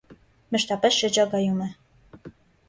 Մշտապես շրջագայում է։